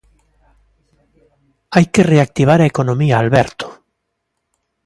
Hai que reactivar a economía, Alberto...